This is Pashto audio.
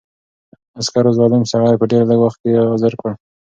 عسکرو ظالم سړی په ډېر لږ وخت کې حاضر کړ.